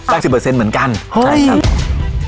สิบเปอร์เซ็นต์เหมือนกันใช่ครับ